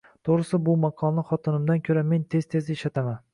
To`g`risi, bu maqolni xotinimdan ko`ra, men tez tez ishlataman